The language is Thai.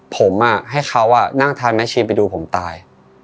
ผมให้เขานั่งทานแม่ชีไปดูผมตาย